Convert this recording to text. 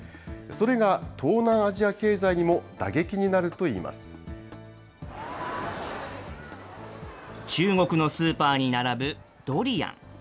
それが東南アジア経済にも打撃に中国のスーパーに並ぶドリアン。